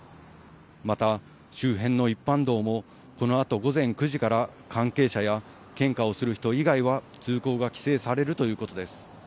また、周辺の一般道もこのあと午前９時から、関係者や献花をする人以外は、通行が規制されるということです。